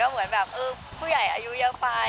เหมือนแบบผู้ใหญ่อายุเยอะไป